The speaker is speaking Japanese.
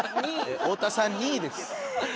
太田さん２位です。